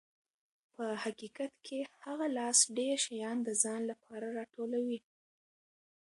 په حقیقت کې هغه لاس ډېر شیان د ځان لپاره راټولوي.